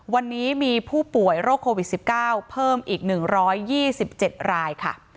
วันนี้มีผู้ป่วยโรคโควิด๑๙เพิ่มอีก๑๒๗รายค่ะ